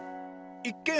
いっけん